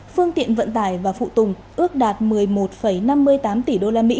phương tiện vận tải và phụ tùng ước đạt một mươi một năm mươi tám tỷ usd